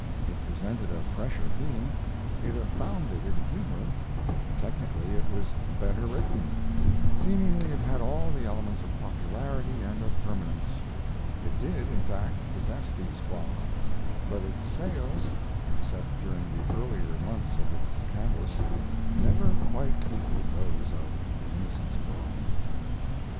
It presented a fresher theme; it abounded in humor; technically, it was better written; seemingly it had all the elements of popularity and of permanence. It did, in fact, possess these qualities, but its sales, except during the earlier months of its canvass, never quite equaled those of The Innocents Abroad.